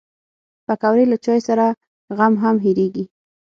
پکورې له چای سره غم هم هېرېږي